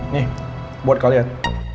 nih buat kalian